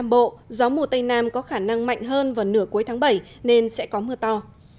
bộ gió mùa tây nam có khả năng mạnh hơn vào nửa cuối tháng bảy nên sẽ có mưa to